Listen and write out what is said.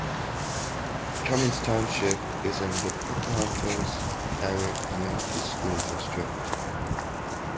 Cummins Township is in the Pocahontas Area Community School District.